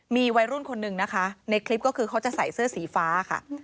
มีวัยรุ่นคนหนึ่งนะคะในคลิปก็คือเขาจะใส่เสื้อสีฟ้าค่ะ